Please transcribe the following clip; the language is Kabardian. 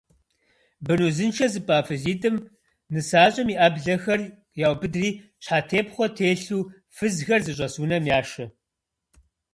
Бын узыншэ зыпӀа фызитӏым нысащӀэм и Ӏэблэхэр яубыдри, щхьэтепхъуэ телъу, фызхэр зыщӀэс унэм яшэ.